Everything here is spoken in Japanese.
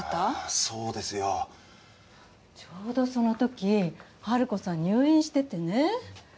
あぁそうですよ。ちょうどそのとき治子さん入院しててね。